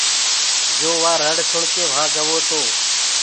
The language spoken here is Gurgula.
يو وآ رڙ سُڻڪي وهآنٚ گوو تو